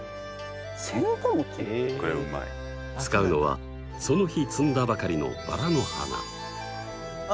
使うのはその日摘んだばかりのバラの花。